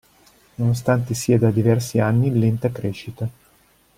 Nonostante sia da diversi anni in lenta crescita.